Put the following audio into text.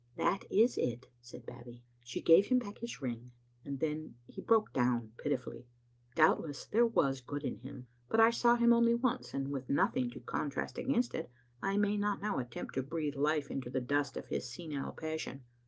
"That is it," said Babbie. She gave him back his ring, and then he broke down pitifully. Doubtless there was good in him, but I saw him only once ; and with nothing to contrast against it, I may not now attempt to breathe life into the dust of his senile passion.